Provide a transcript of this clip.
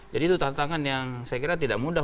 itu tantangan yang saya kira tidak mudah